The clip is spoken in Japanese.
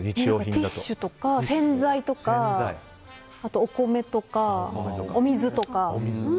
ティッシュとか、洗剤とかあと、お米とか、お水とか。